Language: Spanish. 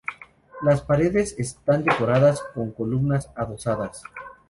Las paredes están decoradas con columnas adosadas.